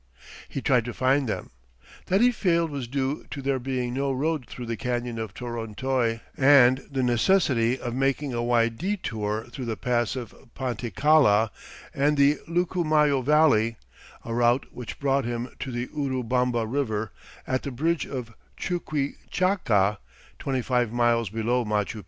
He tried to find them. That he failed was due to there being no road through the canyon of Torontoy and the necessity of making a wide detour through the pass of Panticalla and the Lucumayo Valley, a route which brought him to the Urubamba River at the bridge of Chuquichaca, twenty five miles below Machu Picchu.